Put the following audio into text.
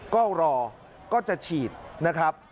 ก็รอก็จะฉีดนะครับ